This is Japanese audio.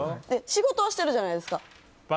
仕事をしてるじゃないですか。